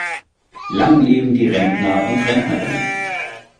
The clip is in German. Lang leben die Rentner und Rentnerinnen!